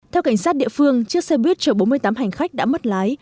theo cảnh sát địa phương chiếc xe buýt chở bốn mươi tám hành khách đã mất lái